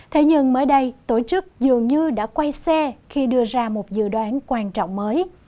thế nhưng mới đây tổ chức dường như đã quay xe khi đưa ra một dự đoán quan trọng mới